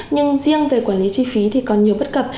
nhưng riêng về quản lý chi phí thì còn nhiều bất cập